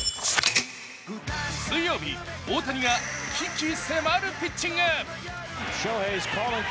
水曜日、大谷が鬼気迫るピッチング。